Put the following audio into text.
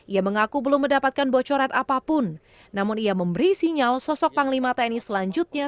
ia mengaku belum mendapatkan bocoran apapun namun ia memberi sinyal sosok panglima tni selanjutnya